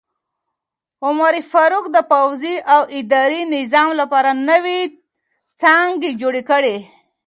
عمر فاروق د پوځي او اداري نظام لپاره نوې څانګې جوړې کړې.